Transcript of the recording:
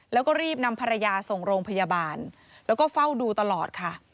แล้วก็รีบนำภรรยาส่งโรงพยาบาลแล้วก็เฝ้าดูตลอดค่ะ